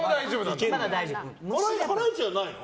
ハライチはないの？